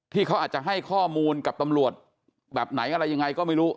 ที่เขาอาจจะให้ข้อมูลกับตำรวจแบบไหนอะไรยังไงก็ไม่รู้